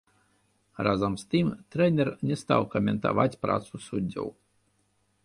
Разам з тым трэнер не стаў каментаваць працу суддзяў.